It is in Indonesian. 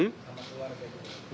sama keluarga juga